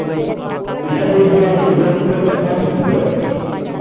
ইসলামের ইতিহাসে এটাই ছিল "প্রথম হিজরত"।